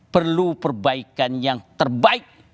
perlu perbaikan yang terbaik